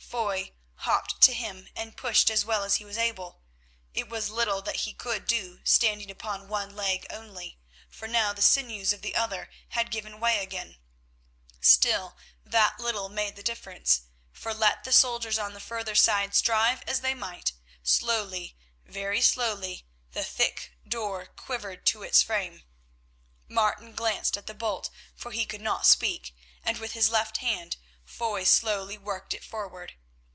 Foy hopped to him and pushed as well as he was able. It was little that he could do standing upon one leg only, for now the sinews of the other had given way again; still that little made the difference, for let the soldiers on the further side strive as they might, slowly, very slowly, the thick door quivered to its frame. Martin glanced at the bolt, for he could not speak, and with his left hand Foy slowly worked it forward.